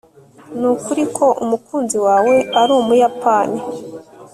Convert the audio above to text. nukuri ko umukunzi wawe ari umuyapani